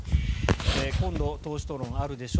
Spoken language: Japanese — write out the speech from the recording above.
今度、党首討論あるでしょ。